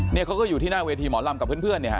เขาก็อยู่ที่หน้าเวทีหมอลำกับเพื่อนเนี่ยฮะ